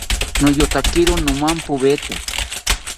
Niyotakiro nomampaweta